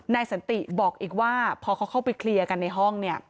สันติบอกอีกว่าพอเขาเข้าไปเคลียร์กันในห้องเนี่ย